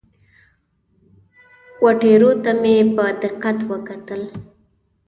وه ټیرو ته مې په دقت وکتل.